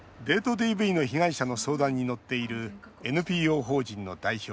ＤＶの被害者の相談に乗っているＮＰＯ法人の代表